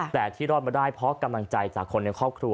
แต่ที่รอดมาได้เพราะกำลังใจจากคนในครอบครัว